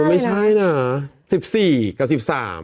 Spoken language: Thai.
ไม่ใช่นะ๑๔กับ๑๓